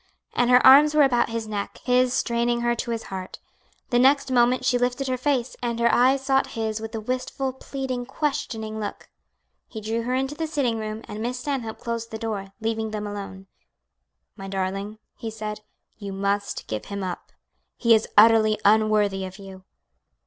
And her arms were about his neck, his straining her to his heart. The next moment she lifted her face, and her eyes sought his with a wistful, pleading, questioning look. He drew her into the sitting room, and Miss Stanhope closed the door, leaving them alone. "My darling," he said, "you must give him up; he is utterly unworthy of you."